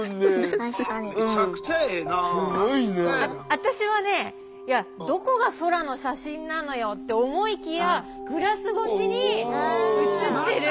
私はねいやどこが空の写真なのよって思いきやグラス越しに映ってる。